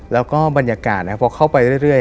แล้วก็บรรยากาศพอเข้าไปเรื่อย